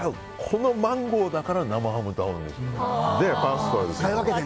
このマンゴーだから生ハムと合うんです。